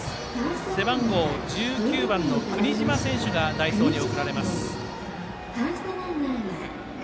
背番号１９番の國島選手が代走に送られます。